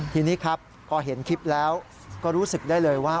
ทีนี้ครับพอเห็นคลิปแล้วก็รู้สึกได้เลยว่า